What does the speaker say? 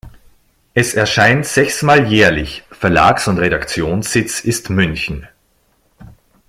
Es erscheint sechsmal jährlich; Verlags- und Redaktionssitz ist München.